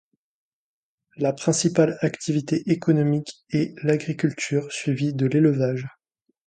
La principale activité économique est l'agriculture, suivie de l'élevage.